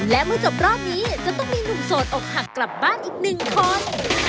และเมื่อจบรอบนี้จะต้องมีหนุ่มโสดอกหักกลับบ้านอีกหนึ่งคน